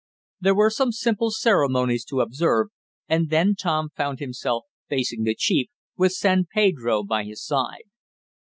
There were some simple ceremonies to observe, and then Tom found himself facing the chief, with San Pedro by his side.